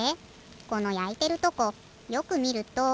このやいてるとこよくみると。